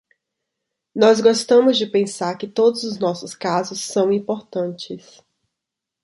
Nós gostamos de pensar que todos os nossos casos são importantes.